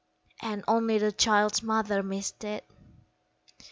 And only the child's mother missed it.